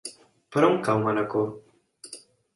Per on cau Manacor?